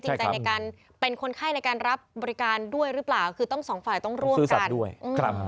ใจในการเป็นคนไข้ในการรับบริการด้วยหรือเปล่าคือต้องสองฝ่ายต้องร่วมกันด้วยครับ